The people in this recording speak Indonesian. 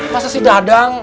masa si dadang